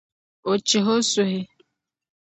Di chihi o suhu.